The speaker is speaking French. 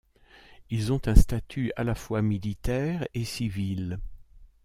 Ils ont un statut à la fois militaire et civil.